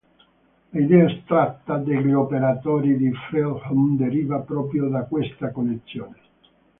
L'idea astratta degli operatori di Fredholm deriva proprio da questa connessione.